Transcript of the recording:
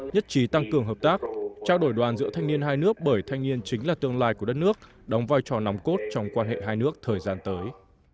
nhất trí tăng cường hợp tác trao đổi đoàn giữa thanh niên hai nước bởi thanh niên chính là tương lai của đất nước đóng vai trò nòng cốt trong quan hệ hai nước thời gian tới